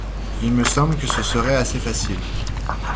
il me semble que ce serait assez facile.